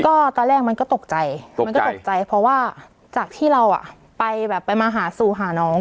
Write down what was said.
ก็ตอนแรกมันก็ตกใจมันก็ตกใจเพราะว่าจากที่เราอ่ะไปแบบไปมาหาสู่หาน้อง